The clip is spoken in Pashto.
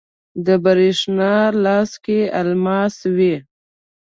د بریښنا لاس کې الماس وی